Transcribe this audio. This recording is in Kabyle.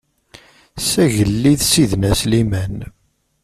S agellid Sidna Sliman.